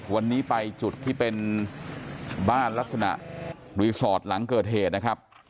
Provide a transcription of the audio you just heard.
วันนี้ไปจุดที่เป็นบ้านลักษณะรีสอร์ทหลังเกิดเหตุนะครับ